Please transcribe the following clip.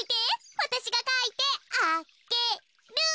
わたしがかいてあげる。